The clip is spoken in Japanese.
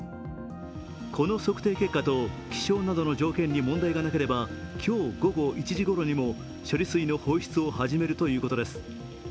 この測定結果と気象などの条件に問題がなければ、今日午後１時ごろにも処理水の放出を始めるということです。